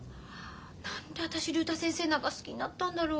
何で私竜太先生なんか好きになったんだろう。